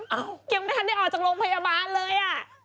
ยังไม่ทันได้ออกจากโรงพยาบาลเลยอ่ะ